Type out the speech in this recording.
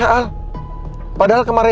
kalau ada masalah